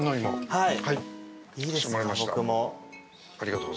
はい。